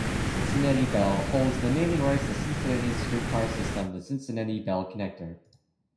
Cincinnati Bell holds the naming rights to Cincinnati's streetcar system, the Cincinnati Bell Connector.